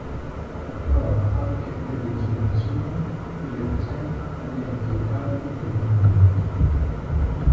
Approva anche delle risoluzioni e le presenta agli enti locali e regionali.